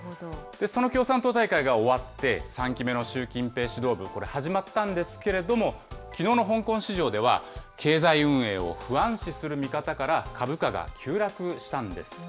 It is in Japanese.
その共産党大会が終わって、３期目の習近平指導部、これ、始まったんですけれども、きのうの香港市場では、経済運営を不安視する見方から株価が急落したんです。